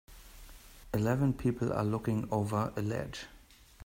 Eleven people are looking over a ledge.